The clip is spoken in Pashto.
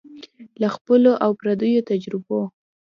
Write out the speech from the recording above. له خپلو او پردیو تجربو